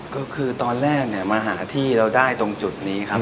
ก็คือตอนแรกเนี่ยมาหาที่เราได้ตรงจุดนี้ครับ